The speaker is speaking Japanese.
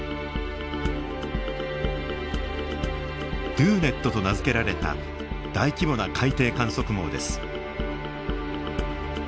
ＤＯＮＥＴと名付けられた大規模な海底観測網です。